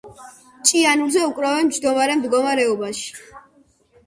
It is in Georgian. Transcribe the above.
ჭიანურზე უკრავენ მჯდომარე მდგომარეობაში.